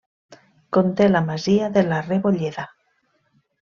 Conté la masia de la Rebolleda.